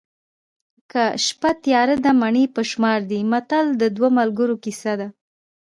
که شپه تیاره ده مڼې په شمار دي متل د دوو ملګرو کیسه ده